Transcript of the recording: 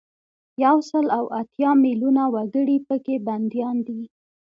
یو سل او اتیا میلونه وګړي په کې بندیان دي.